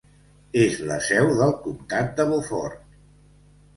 És la seu del Comtat de Beaufort.